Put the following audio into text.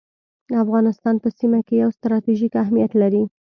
افغانستان په سیمه کي یو ستراتیژیک اهمیت لري